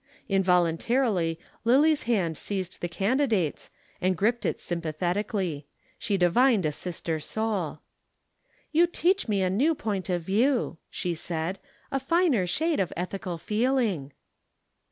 Involuntarily Lillie's hand seized the candidate's and gripped it sympathetically. She divined a sister soul. "You teach me a new point of view," she said, "a finer shade of ethical feeling."